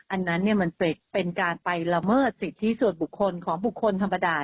อันนั้นมันเป็นการไปละเมิดสิทธิส่วนบุคคลของบุคคลธรรมดา